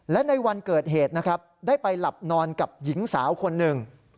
และในวันเกิดเหตุนะครับได้ไปหลับนอนกับหญิงสาวคนหนึ่ง